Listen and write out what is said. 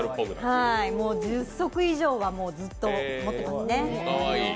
もう１０足以上はずっと持ってますね。